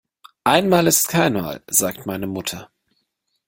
Einmal ist keinmal, sagt meine Mutter.